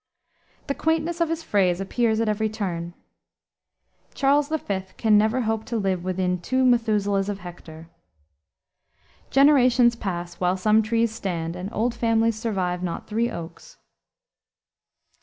The quaintness of his phrase appears at every turn. "Charles the Fifth can never hope to live within two Methuselahs of Hector." "Generations pass, while some trees stand, and old families survive not three oaks."